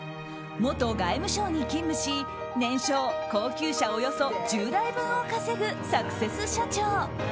元外務省に勤務し年商高級車およそ１０台分を稼ぐサクセス社長。